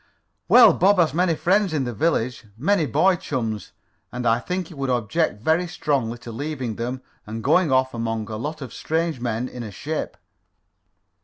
"Well, Bob has many friends in the village many boy chums and I think he would object very strongly to leaving them, and going off among a lot of strange men in a ship."